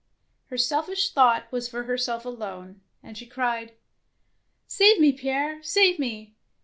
Her selfish thought was for herself alone, and she cried, —" Save me, Pierre, save me.